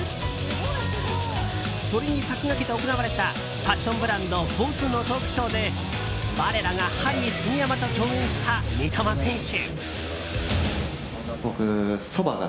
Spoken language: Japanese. それに先駆けて行われたファッションブランドＢＯＳＳのトークショーで我らがハリー杉山と共演した三笘選手。